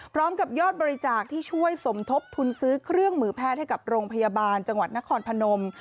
พร้อมกับยอดบริจาคที่ช่วยสมทบทุนซื้อเครื่องมือแพทย์ให้กับโรงพยาบาลจังหวัดนครพนม